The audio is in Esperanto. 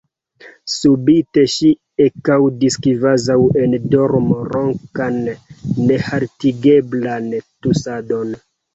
Subite ŝi ekaŭdis kvazaŭ en dormo ronkan, nehaltigeblan tusadon.